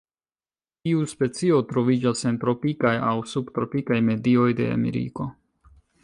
Tiu specio troviĝas en tropikaj aŭ subtropikaj medioj de Ameriko.